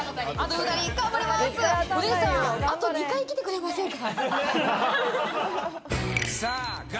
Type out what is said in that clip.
お姉さん、あと２回来てくれませんか？